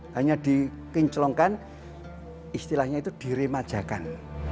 hanya dikinclongkan istilahnya itu diremajakan